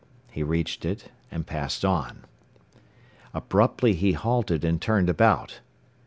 He reached it, and passed on. Abruptly he halted and turned about.